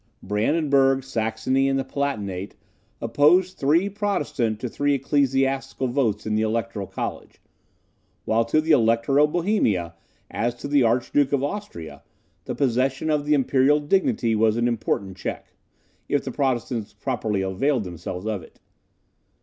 Brandenburg, Saxony, and the Palatinate, opposed three Protestant to three Ecclesiastical votes in the Electoral College; while to the Elector of Bohemia, as to the Archduke of Austria, the possession of the Imperial dignity was an important check, if the Protestants properly availed themselves of it.